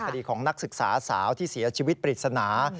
คดีของนักศึกษาสาวที่เสียชีวิตปริศนา